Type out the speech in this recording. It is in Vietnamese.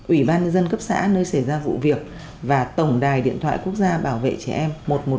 ủy ban nhân dân cấp xã nơi xảy ra vụ việc và tổng đài điện thoại quốc gia bảo vệ trẻ em một trăm một mươi một